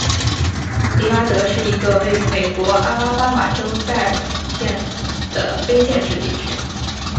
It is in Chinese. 迪拉德是一个位于美国阿拉巴马州戴尔县的非建制地区。